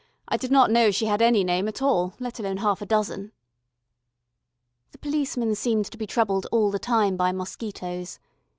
I did not know she had any name at all, let alone half a dozen." The policeman seemed to be troubled all the time by mosquitoes.